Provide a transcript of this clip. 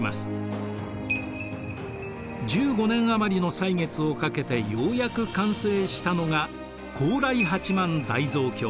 １５年余りの歳月をかけてようやく完成したのが高麗八萬大蔵経。